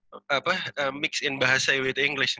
bergabung dengan bahasa inggris